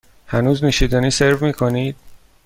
هنوز نوشیدنی سرو می کنید؟